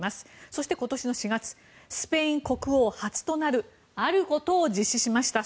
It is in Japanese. そして、今年の４月スペイン国王初となるあることを実施しました。